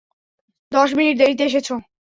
দশ মিনিট দেরীতে এসেছ।